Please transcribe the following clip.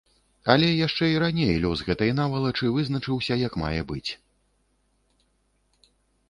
Але яшчэ і раней лёс гэтай навалачы вызначыўся як мае быць.